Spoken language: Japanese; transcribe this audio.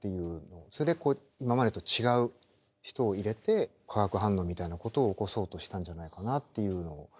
それで今までと違う人を入れて化学反応みたいなことを起こそうとしたんじゃないかなっていうのを。